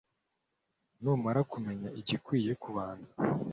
Numara kumenya igikwiye kubanza